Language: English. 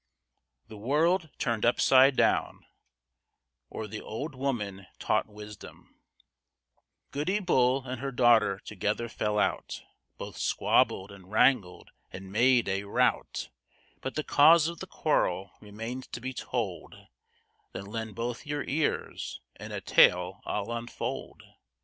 THE WORLD TURNED UPSIDE DOWN OR, THE OLD WOMAN TAUGHT WISDOM Goody Bull and her daughter together fell out, Both squabbled, and wrangled, and made a rout, But the cause of the quarrel remains to be told, Then lend both your ears, and a tale I'll unfold.